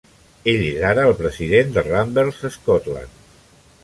Ell és ara el president de Ramblers Scotland.